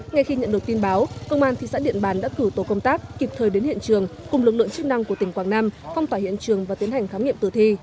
ngay khi nhận được tin báo công an thị xã điện bàn đã cử tổ công tác kịp thời đến hiện trường cùng lực lượng chức năng của tỉnh quảng nam phong tỏa hiện trường và tiến hành khám nghiệm tử thi